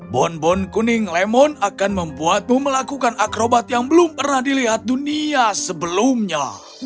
bonbon kuning lemon akan membuatmu melakukan akrobat yang belum pernah dilihat dunia sebelumnya